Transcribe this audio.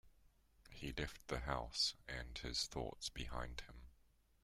He left the house and his thoughts behind him.